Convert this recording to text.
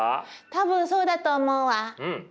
多分そうだと思うわ。